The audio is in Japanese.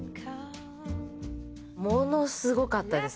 ものすごかったです。